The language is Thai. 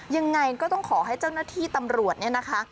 ยังไงก็ต้องขอให้เจ้าหน้าที่ตำรวจเนี่ยนะคะ